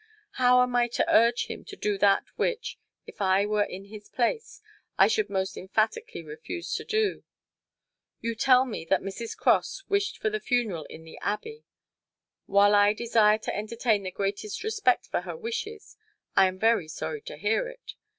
How am I to urge him to do that which, if I were in his place, I should most emphatically refuse to do? You tell me that Mrs. Cross wished for the funeral in the Abbey. While I desire to entertain the greatest respect for her wishes, I am very sorry to hear it.